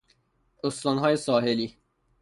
استانهای ساحلی